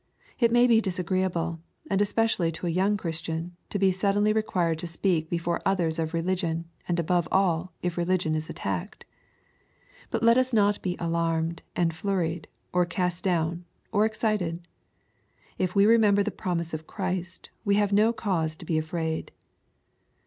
It may be disagree able, and especially to a young Christian, to be suddenly required to speak before others of religion, and above all if religion is attacked. But let us not be alarmed, and flurried, or cast down, or excited. If we remember the promise of Christ, we have no cause to be afraid.